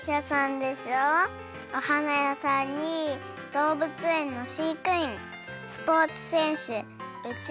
おはな屋さんにどうぶつえんのしいくいんスポーツせんしゅ